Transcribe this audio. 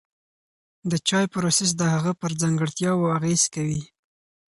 د چای پروسس د هغه پر ځانګړتیاوو اغېز کوي.